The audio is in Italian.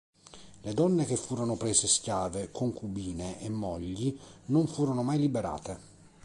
Le donne che furono prese schiave concubine e mogli non furono mai liberate.